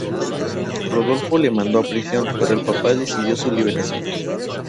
Rodolfo le mandó a prisión, pero el papa decidió su liberación.